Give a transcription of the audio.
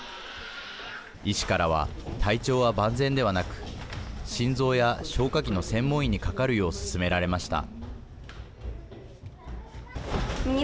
医師からは体調は万全ではなく心臓や消化器の専門医にかかるよう勧められました。